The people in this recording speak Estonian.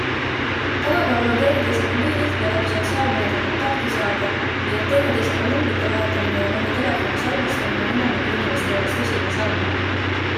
Tänapäeval on teineteisega nii lihtne läbi sotsiaalmeedia kontakti saada, nii et teineteisega numbrite vahetamine ja nende telefoni salvestamine on enamiku inimeste jaoks tõsine samm.